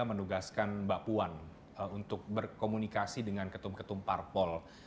menugaskan mbak puan untuk berkomunikasi dengan ketum ketum parpol